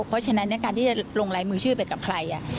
เพราะฉะนั้นในการที่จะลงลายมือชื่อไปกับใคร